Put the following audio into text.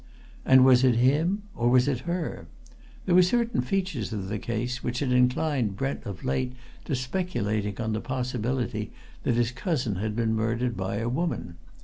And, was it him or was it her? There were certain features of the case which had inclined Brent of late to speculating on the possibility that his cousin had been murdered by a woman.